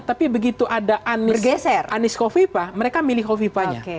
tapi begitu ada anies hoviva mereka milih hoviva nya